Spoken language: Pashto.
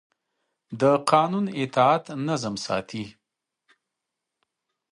د قانون اطاعت نظم ساتي